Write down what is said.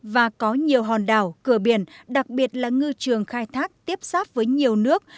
và có nhiều hòn đảo cửa biển đặc biệt là ngư trường khai thác tiếp sáp với nhiều nước